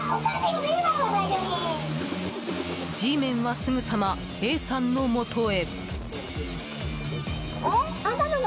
ＧメンはすぐさまＡさんのもとへ。